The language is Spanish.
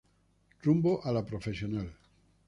Rumbo a la Profesional.